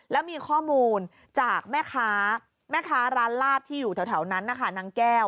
แล้วมีข้อมูลจากแม่ค้าแม่ค้าร้านลาบที่อยู่แถวนั้นนะคะนางแก้ว